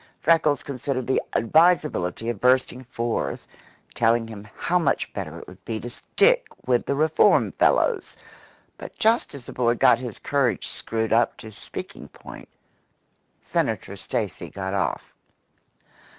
Freckles considered the advisability of bursting forth and telling him how much better it would be to stick with the reform fellows; but just as the boy got his courage screwed up to speaking point, Senator Stacy got off.